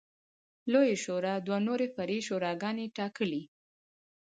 لویې شورا دوه نورې فرعي شوراګانې ټاکلې